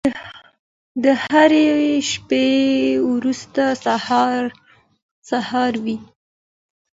د هرې شپې وروسته سهار وي.